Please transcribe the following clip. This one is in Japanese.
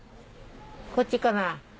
こっちかな。